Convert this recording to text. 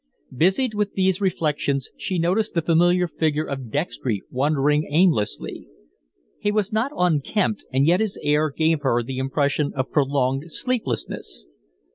Busied with these reflections, she noticed the familiar figure of Dextry wandering aimlessly. He was not unkempt, and yet his air gave her the impression of prolonged sleeplessness.